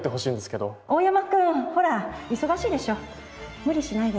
無理しないで。